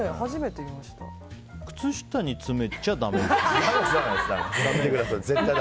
靴下に詰めちゃだめですよね。